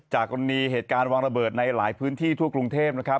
กรณีเหตุการณ์วางระเบิดในหลายพื้นที่ทั่วกรุงเทพนะครับ